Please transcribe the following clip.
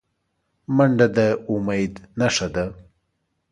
منډه د امید نښه ده